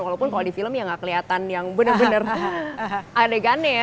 walaupun kalau di film ya nggak kelihatan yang benar benar adegannya ya